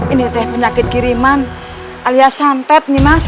ini teh penyakit kiriman alias santet nemas